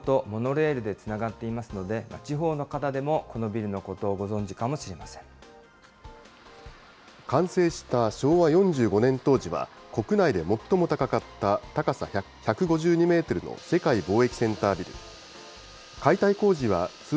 東京・浜松町の世界貿易センター浜松町は羽田空港とモノレールでつながっていますので、地方の方でもこのビルのことをご存じ完成した昭和４５年当時は、国内で最も高った高さ１５２メートルの世界貿易センタービル。